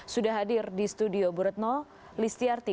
sudah hadir di studio burutno listiarti